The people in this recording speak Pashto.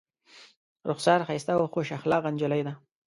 رخسار ښایسته او خوش اخلاقه نجلۍ ده.